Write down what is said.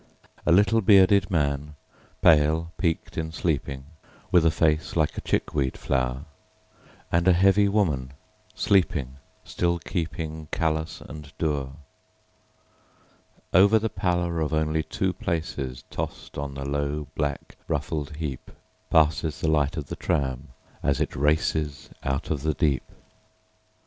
A little, bearded man, pale, peaked in sleeping, With a face like a chickweed flower. And a heavy woman, sleeping still keepingCallous and dour. Over the pallor of only two placesTossed on the low, black, ruffled heapPasses the light of the tram as it racesOut of the deep.